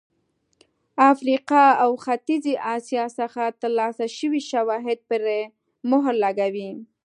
افریقا او ختیځې اسیا څخه ترلاسه شوي شواهد پرې مهر لګوي.